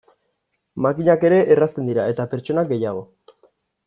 Makinak ere erratzen dira, eta pertsonak gehiago.